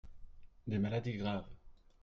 Des maladies graves.